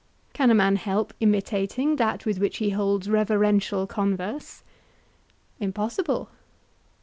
Can a man help imitating that with which he holds reverential converse? Impossible.